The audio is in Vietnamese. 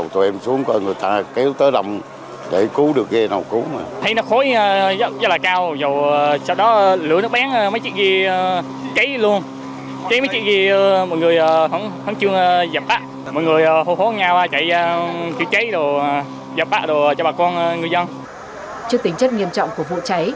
trước tính chất nghiêm trọng của vụ cháy